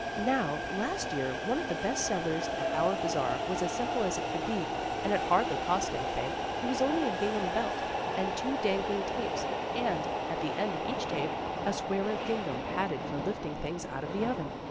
" Now, last year, one of the best sellers at our Bazar was as simple as it could be, and it hardly cost anything. It was only a gingham belt, with two dangling tapes, and, at the end of each tape, a square of gingham padded for lifting things out of the oven.